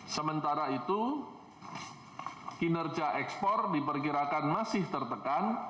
sementara itu kinerja ekspor diperkirakan masih tertekan